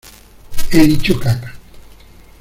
he dicho caca.